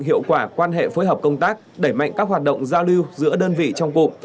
hiệu quả quan hệ phối hợp công tác đẩy mạnh các hoạt động giao lưu giữa đơn vị trong cụm